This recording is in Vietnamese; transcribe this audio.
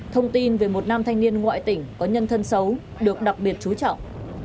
thông tin về một nam thanh niên ngoại tỉnh có nhân thân xấu được đặc biệt chú trọng